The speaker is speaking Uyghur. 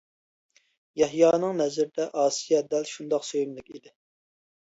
يەھيانىڭ نەزىرىدە ئاسىيە دەل شۇنداق سۆيۈملۈك ئىدى.